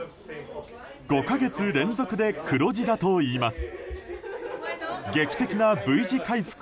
５か月連続で黒字だといいます。